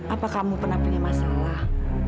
apa kamu pernah punya masalah